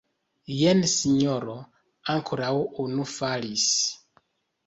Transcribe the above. Jen sinjoro, ankoraŭ unu falis!